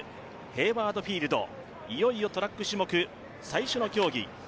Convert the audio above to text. ヘイワード・フィールド、いよいよトラック種目最初の競技。